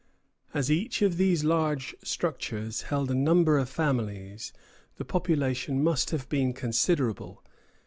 ] As each of these large structures held a number of families, the population must have been considerable.